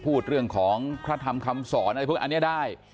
พูดเรื่องของพระธรรมคำสอนอะไรพวกอันนี้ได้